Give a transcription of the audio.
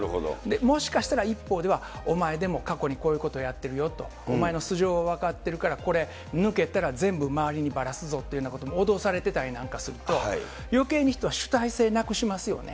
もしかしたら一方では、お前でも過去にこういうことやってるよと、お前の素性は分かってるから、これ、抜けたら全部周りにばらすぞというようなことも脅されてたりなんかすると、よけいに人は主体性をなくしますよね。